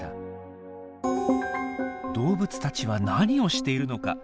動物たちは何をしているのか？